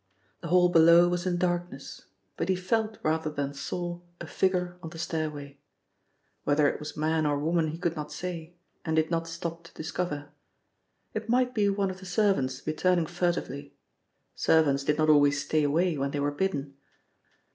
The hall below was in darkness, but he felt rather than saw a figure on the stairway. Whether it was man or woman he could not say, and did not stop to discover. It might be one of the servants returning furtively servants did not always stay away when they were bidden.